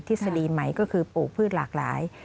ทฤษฎีใหม่ก็คือปลูกพืชหลากหลาย